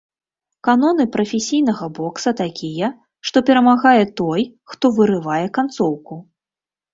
Каноны прафесійнага бокса такія, што перамагае той, хто вырывае канцоўку.